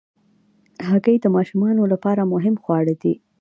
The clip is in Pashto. هګۍ د ماشومانو لپاره مهم خواړه دي.